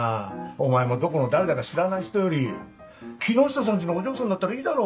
お前もどこの誰だか知らない人より木下さん家のお嬢さんだったらいいだろう。